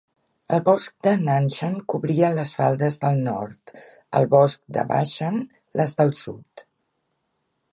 El bosc de Nanshan cobria les faldes del nord; el bosc de Bashan, les del sud.